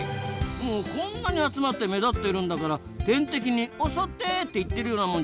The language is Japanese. もうこんなに集まって目立っているんだから天敵に「襲って！」って言ってるようなもんじゃないですか。